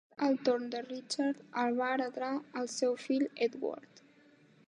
El dret al tron de Richard el va heretar el seu fill Edward.